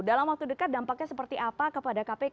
dalam waktu dekat dampaknya seperti apa kepada kpk